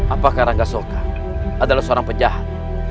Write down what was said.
apakah rangga soka adalah seorang penjahat